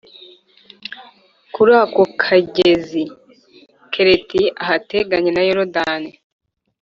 Kuri ako kagezi keriti ahateganye na yorodani